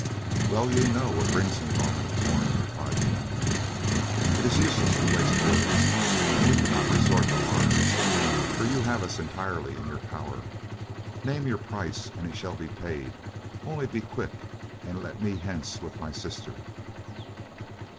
"Well ye know what brings me, Norman of Torn," replied the young man. "It is useless to waste words, and we cannot resort to arms, for you have us entirely in your power. Name your price and it shall be paid, only be quick and let me hence with my sister."